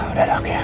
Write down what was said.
udah doang ya